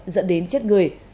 dẫn đến chết người